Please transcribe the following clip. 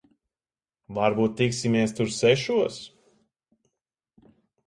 Varbūt tiksimies tur sešos?